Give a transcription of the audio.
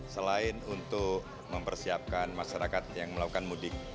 selain untuk mempersiapkan masyarakat yang melakukan mudik